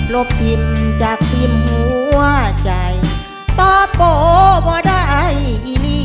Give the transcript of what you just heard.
ลบทิมจากทิมหัวใจตอบโปะได้อีนี้